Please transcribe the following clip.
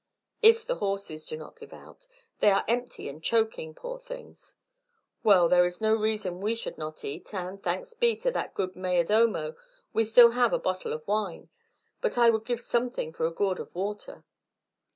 "If the horses do not give out. They are empty and choking, poor things. Well, there is no reason we should not eat, and, thanks be to that good mayor domo, we still have a bottle of wine. But I would give something for a gourd of water.